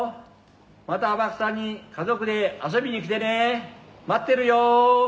また天草に家族で遊びに来てね待ってるよ